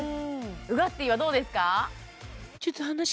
ウガッティーはどうですか？